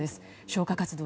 消火活動